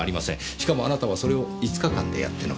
しかもあなたはそれを５日間でやってのけた。